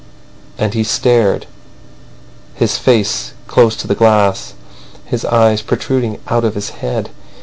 And he stared, his face close to the glass, his eyes protruding out of his head.